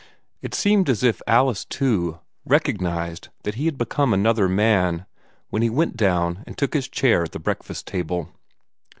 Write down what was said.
It seemed as if Alice, too, recognized that he had become another man, when he went down and took his chair at the breakfast table.